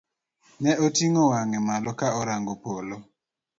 Ne oting'o wang'e malo ka orango polo.